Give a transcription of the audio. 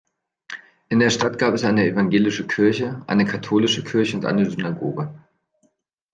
In der Stadt gab es eine evangelische Kirche, eine katholische Kirche und eine Synagoge.